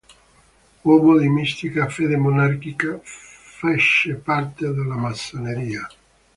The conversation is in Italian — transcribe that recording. Uomo di "mistica" fede monarchica, fece parte della massoneria.